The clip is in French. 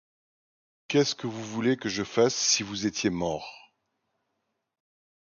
Qu'est-ce que vous voulez que je fasse si vous étiez mort?